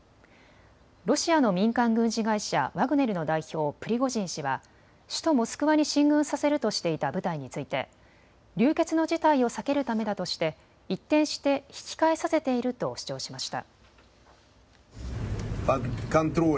ロシアの民間軍事会社、ワグネルの代表、プリゴジン氏は首都モスクワに進軍させるとしていた部隊について流血の事態を避けるためだとして一転して引き返させていると主張しました。